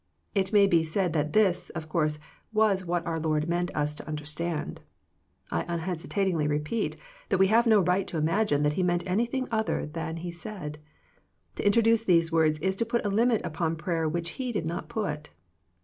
It may be said that this, of course, was what our Lord meant us to understand. I unhesitatingly reply that we have no right to imagine that He meant anything other than He said. To introduce these words is to put a limit upon prayer which He did not put.